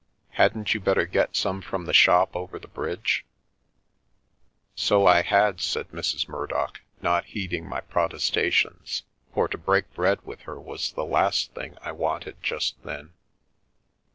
Hadn't you better get some from the shop over the bridge ?"" So I had," said Mrs. Murdock, not heeding my pro testations, for to break bread with her was the last thing I wanted just then.